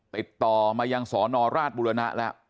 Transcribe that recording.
ติดต่อมายังศานอราชบุรณะล่ะ